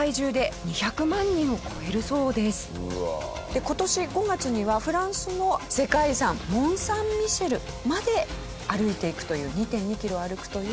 で今年５月にはフランスの世界遺産モン・サン・ミッシェルまで歩いていくという２．２キロ歩くという。